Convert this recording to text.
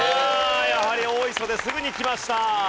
やはり大磯ですぐにきました。